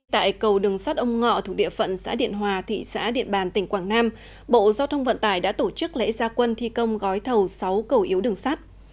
tại cầu đường sắt ông ngọ thuộc địa phận xã điện hòa thị xã điện bàn tỉnh quảng nam bộ giao thông vận tải đã tổ chức lễ gia quân thi công gói thầu sáu cầu yếu đường sắt